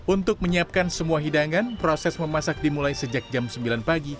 untuk menyiapkan semua hidangan proses memasak dimulai sejak jam sembilan pagi